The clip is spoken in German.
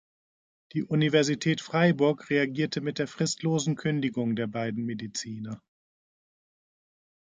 Die Universität Freiburg reagierte mit der fristlosen Kündigung der beiden Mediziner.